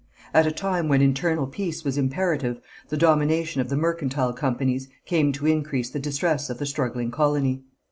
At a time when internal peace was imperative the domination of the mercantile companies came to increase the distress of the struggling colony.